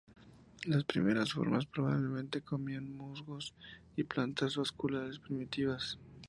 Las primeras formas probablemente comían musgos y plantas vasculares primitivas.